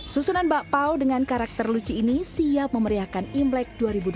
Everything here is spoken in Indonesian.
susunan bakpao dengan karakter lucu ini siap memeriahkan imlek dua ribu dua puluh